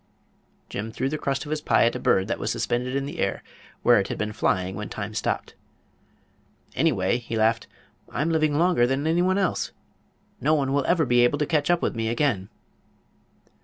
Jim threw the crust of his pie at a bird that was suspended in the air, where it had been flying when Time stopped. "Anyway," he laughed, "I'm living longer than anyone else. No one will ever be able to catch up with me again."